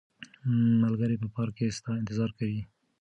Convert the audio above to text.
ملګري په پارک کې ستا انتظار کوي.